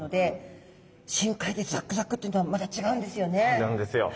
そうなんですよ。